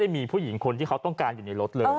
มีผู้หญิงคนที่เขาต้องการอยู่ในรถเลย